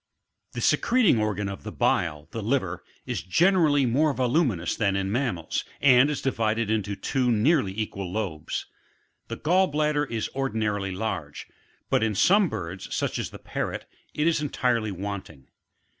33. The secreting organ of the bile, the liner ^ is generally more yduminous than in mammals, and is divided into two nearly equal lobes. The gall bladder is ordmarily large, but in some birds, such as the Parrot, it is entirely wanting.